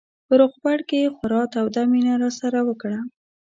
په روغبړ کې یې خورا توده مینه راسره وکړه.